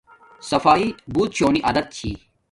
صفایݵ بوت شونی عادت چھی